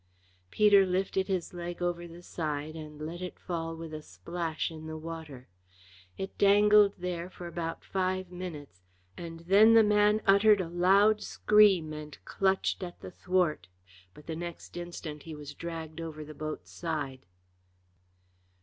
Peter lifted his leg over the side and let it fall with a splash in the water. It dangled there for about five minutes, and then the man uttered a loud scream and clutched at the thwart, but the next instant he was dragged over the boat's side.